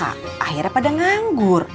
akhirnya pada nganggur